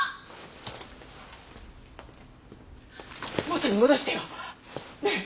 元に戻してよ！ねえ。